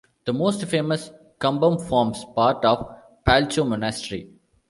The most famous Kumbum forms part of Palcho Monastery.